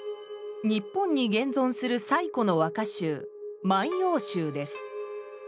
日本に現存する最古の和歌集「万葉集」です。